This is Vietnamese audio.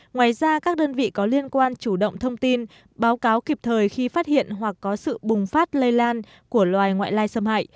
ngoài ra các đơn vị có liên quan chủ động thông tin báo cáo kịp thời khi phát hiện hoặc có sự bùng phát lây lan của loài ngoại lai xâm hại